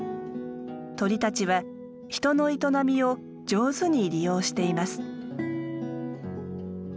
鳥たちは人の営みを上手に利用しています。